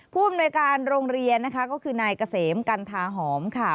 ผู้อำนวยการโรงเรียนนะคะก็คือนายเกษมกันทาหอมค่ะ